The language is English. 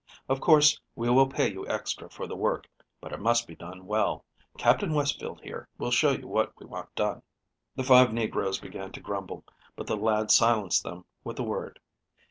Of course, we will pay you extra for the work, but it must be done well. Captain Westfield, here, will show you what we want done." The five negroes began to grumble, but the lad silenced them with a word.